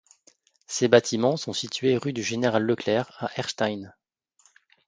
Ces bâtiments sont situés rue du Général-Leclerc à Erstein.